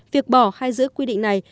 việc bỏ hay giữ quy định này